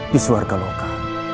di suarga loka